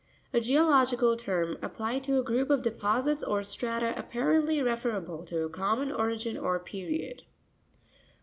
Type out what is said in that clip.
—A geological term ap plied to a group of deposits or strata apparently referable to a common origin or period.